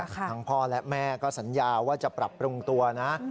ทั้งพ่อและแม่ก็สัญญาว่าจะปรับปรุงตัวนะ